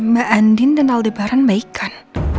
mbak andin dan aldebaran baikan